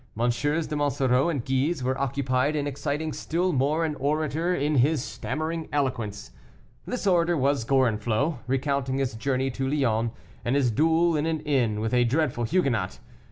de Monsoreau and Guise were occupied in exciting still more an orator in his stammering eloquence. This orator was Gorenflot, recounting his journey to Lyons, and his duel in an inn with a dreadful Huguenot.